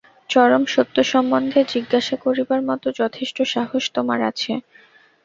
চরম সত্য সম্বন্ধে জিজ্ঞাসা করিবার মত যথেষ্ট সাহস তোমার আছে।